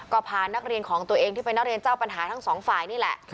ก็พานักเรียนของตัวเองที่เป็นนักเรียนเจ้าปัญหาทั้งสองฝ่ายนี่แหละ